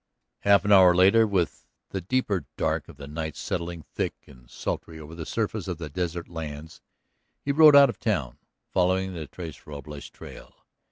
Half an hour later, with the deeper dark of the night settling thick and sultry over the surface of the desert lands, he rode out of town following the Tres Robles trail.